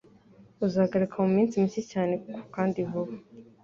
Azagaruka muminsi mike cyane kandi vuba.